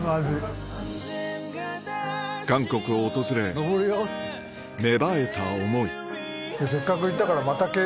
韓国を訪れ芽生えた思い